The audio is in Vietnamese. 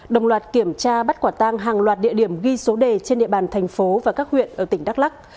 đồng loạt kiểm tra bắt quả tang hàng loạt địa điểm ghi số đề trên địa bàn thành phố và các huyện ở tỉnh đắk lắc